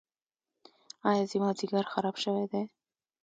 ایا زما ځیګر خراب شوی دی؟